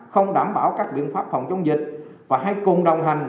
không đảm bảo các biện pháp phòng chống dịch và hãy cùng đồng hành